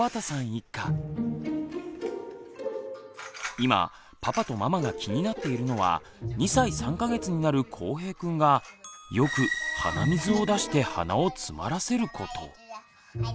今パパとママが気になっているのは２歳３か月になるこうへいくんがよく鼻水を出して鼻をつまらせること。